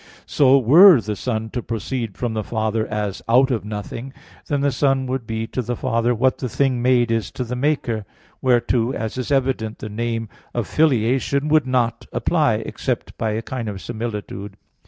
So, were the Son to proceed from the Father as out of nothing, then the Son would be to the Father what the thing made is to the maker, whereto, as is evident, the name of filiation would not apply except by a kind of similitude.